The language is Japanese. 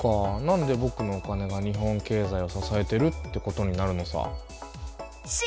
んでぼくのお金が日本経済を支えているってことになるのさ。